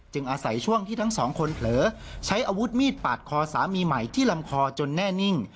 อาศัยช่วงที่ทั้งสองคนเผลอใช้อาวุธมีดปาดคอสามีใหม่ที่ลำคอจนแน่นิ่ง